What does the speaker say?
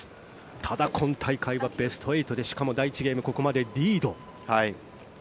ただ、今大会はベスト８でしかも第１試合ここまでリード。